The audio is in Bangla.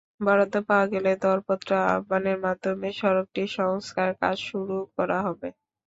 বরাদ্দ পাওয়া গেলে দরপত্র আহ্বানের মাধ্যমে সড়কটির সংস্কারকাজ শুরু করা হবে।